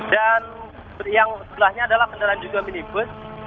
dan yang sebelahnya adalah kendaraan juga mini bus